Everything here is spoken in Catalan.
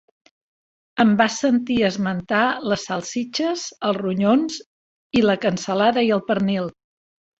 Em vas sentir esmentar les salsitxes, els ronyons i la cansalada i el pernil.